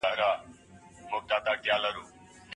زعفران کولای شي د صنعت پیلامه وي.